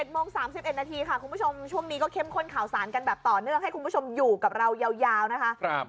โมง๓๑นาทีค่ะคุณผู้ชมช่วงนี้ก็เข้มข้นข่าวสารกันแบบต่อเนื่องให้คุณผู้ชมอยู่กับเรายาวนะคะ